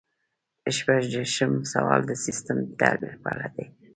شپږ دېرشم سوال د سیسټم د تحلیل په اړه دی.